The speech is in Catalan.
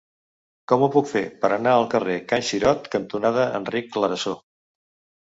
Com ho puc fer per anar al carrer Can Xirot cantonada Enric Clarasó?